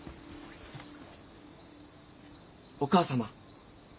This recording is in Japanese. お母様。